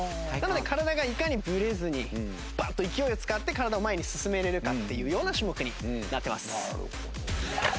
なので体がいかにブレずにバッと勢いを使って体を前に進められるかっていうような種目になってます。